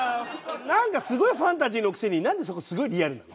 なんかすごいファンタジーのくせになんでそこすごいリアルなの？